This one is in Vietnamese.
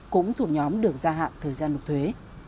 cũng thuộc nhóm được gia hạn thời gian nộp thuế